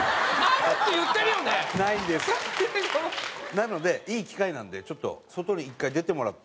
なのでいい機会なのでちょっと外に一回出てもらって。